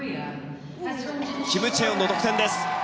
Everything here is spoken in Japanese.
キム・チェヨンの得点です。